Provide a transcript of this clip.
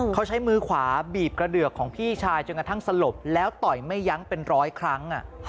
เขาใช้มือขวาบีบกระเดือกของพี่ชายจนกระทั่งสลบแล้วต่อยไม่ยั้งเป็นร้อยครั้ง